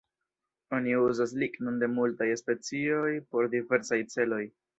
Oni uzas lignon de multaj specioj por diversaj celoj.